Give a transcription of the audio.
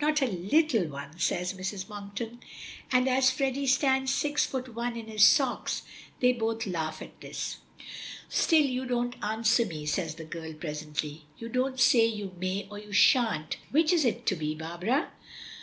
not a little one," says Mrs. Monkton, and as Freddy stands six foot one in his socks, they both laugh at this. "Still you don't answer me," says the girl presently. "You don't say 'you may' or 'you shan't' which is it to be, Barbara?"